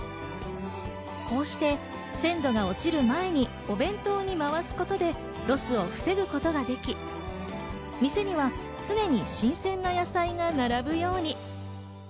こうして鮮度が落ちる前にお弁当に回すことでロスを防ぐことができ、店には常に新鮮な野菜が並ぶように。